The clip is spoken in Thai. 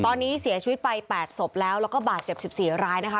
ตอนนี้เสียชีวิตไป๘ศพแล้วแล้วก็บาดเจ็บ๑๔รายนะคะ